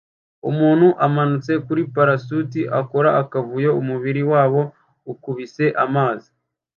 Umuntu umanitse kuri parasute akora akavuyo umubiri wabo ukubise amazi